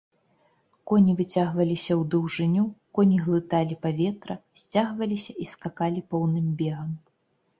Коні выцягваліся ў даўжыню, коні глыталі паветра, сцягваліся і скакалі поўным бегам.